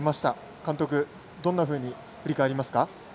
監督、どんなふうに振り返りますか？